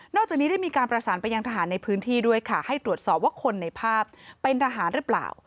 จากนี้ได้มีการประสานไปยังทหารในพื้นที่ด้วยค่ะให้ตรวจสอบว่าคนในภาพเป็นทหารหรือเปล่า